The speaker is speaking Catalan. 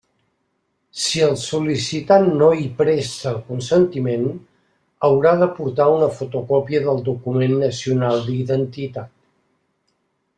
Si el sol·licitant no hi presta el consentiment, haurà d'aportar una fotocòpia del document nacional d'identitat.